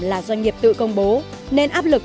là doanh nghiệp tự công bố nên áp lực